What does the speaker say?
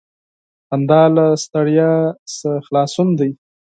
• خندا له ستړیا څخه خلاصون دی.